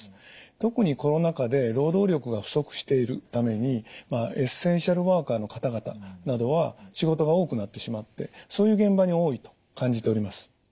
特にコロナ禍で労働力が不足しているためにエッセンシャルワーカーの方々などは仕事が多くなってしまってそういう現場に多いと感じております。